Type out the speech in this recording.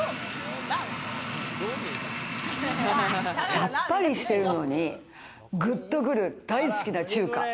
さっぱりしてるのに、ぐっとくる大好きな中華。